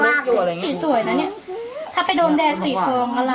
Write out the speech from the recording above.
นี่เห็นจริงตอนนี้ต้องซื้อ๖วัน